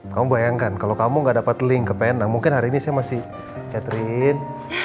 kamu bayangkan kalau kamu gak dapat link ke penang mungkin hari ini saya masih catering